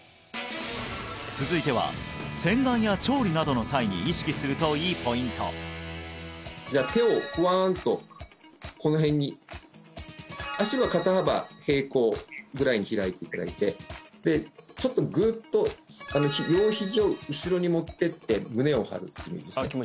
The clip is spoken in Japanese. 続いては洗顔や調理などの際に意識するといいポイント手をワーンとこの辺に足は肩幅平行ぐらいに開いていただいてちょっとグーッと両ひじを後ろに持っていって胸を張るイメージですね